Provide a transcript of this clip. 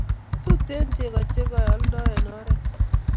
Tuten cheko che keyaldo en oret